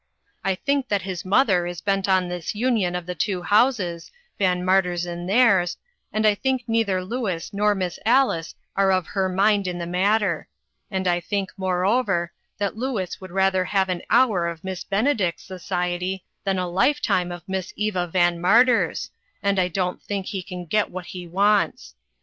I think that his mother is bent on this union of the two houses, VanMarter's and theirs, and I think neither Louis nor Miss Alice are of her mind in the matter; and I think, moreover, that Louis would rather have an hour of Miss Benedict's so ciety than a lifetime of Miss Eva VanMar ter's, and I don't think he can get what he wants.